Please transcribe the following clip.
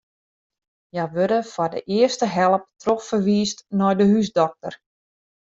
Hja wurde foar de earste help trochferwiisd nei de húsdokter.